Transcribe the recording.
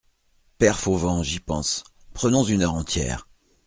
Père Fauvent, j'y pense, prenons une heure entière.